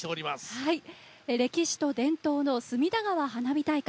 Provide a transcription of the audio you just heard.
はい、歴史と伝統の隅田川花火大会。